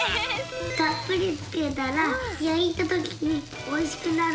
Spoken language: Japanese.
たっぷりつけたらやいたときにおいしくなるんだよ！